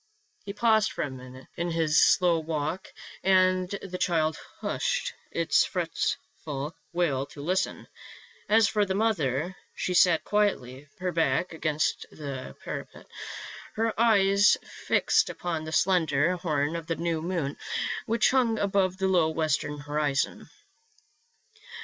He paused for a moment in his slow walk and the child hushed its fretful wail to listen ; as for the mother, she sat quietly, her back against the parapet, her eyes fixed upon the slender horn of the new moon which hung above the low western horizon.